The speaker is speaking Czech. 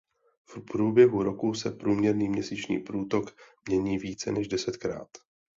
V průběhu roku se průměrný měsíční průtok mění více než desetkrát.